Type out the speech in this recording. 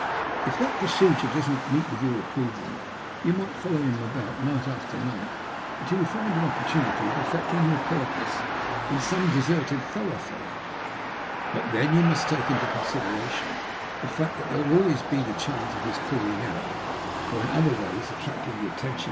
If that procedure does not meet with your approval, you might follow him about night after night until you find an opportunity of effecting your purpose in some deserted thorough fare ; but then you must take into consideration the fact that there will always be the chance of his calling out, or in other ways attracting the attention A GRUESOME TALE.